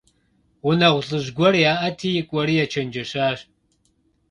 Гъунэгъу лӀыжь гуэр яӀэти, кӀуэри ечэнджэщащ.